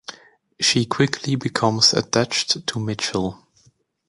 She quickly becomes attached to Michel.